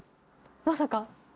まさか。